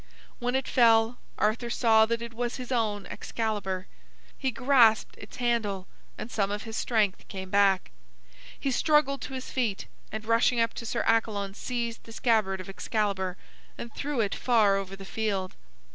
When it fell, Arthur saw that it was his own Excalibur. He grasped its handle and some of his strength came back. He struggled to his feet, and rushing up to Sir Accalon, seized the scabbard of Excalibur and threw it far over the field.